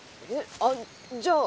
あっじゃあ